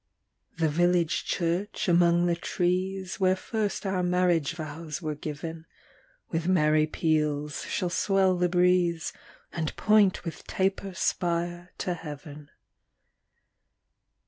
The village church, among the trees, Where first our marriage vows were giv'n, With merry peals shall swell the breeze, And point with taper spire to heav'n.